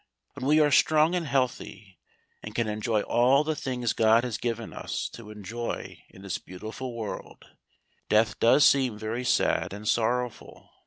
When we are strong and healthy, and can enjoy all the things God has given us to enjoy in this beautiful world, death does seem very sad and sorrowful.